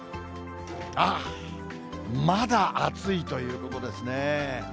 あぁ、まだ暑いということですね。